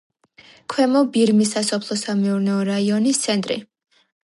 ქვემო ბირმის სასოფლო-სამეურნეო რაიონის ცენტრი.